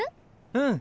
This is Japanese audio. うん。